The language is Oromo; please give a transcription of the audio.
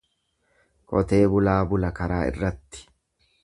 Qotee bulaa bula karaa irratti.